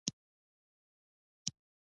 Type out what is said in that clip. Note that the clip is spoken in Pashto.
انګور د افغانستان د بشري فرهنګ یوه برخه ده.